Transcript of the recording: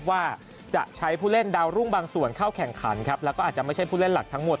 ว่าจะใช้ผู้เล่นดาวรุ่งบางส่วนเข้าแข่งขันครับแล้วก็อาจจะไม่ใช่ผู้เล่นหลักทั้งหมด